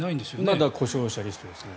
まだ故障者リストですね。